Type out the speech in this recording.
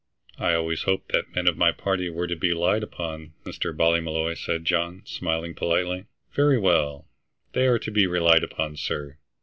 "I always hope that the men of my party are to be relied upon, Mr. Ballymolloy," said John, smiling politely. "Very well, they are to be relied upon, sir.